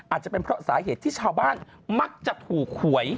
อาจจะเป็นเพราะสาเหตุที่ชาวบ้านมักจะถูกหวย